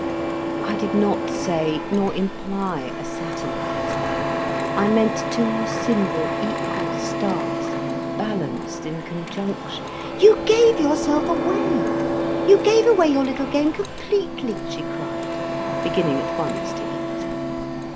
"I did not say, nor imply, a satellite. I meant two single equal stars balanced in conjunction—" "You gave yourself away, you gave away your little game completely," she cried, beginning at once to eat.